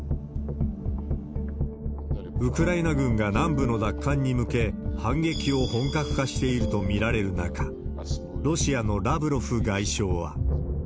ウクライナ軍が南部の奪還に向け、反撃を本格化していると見られる中、ロシアのラブロフ外相は。